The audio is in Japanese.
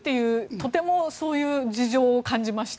とてもそういう事情を感じました。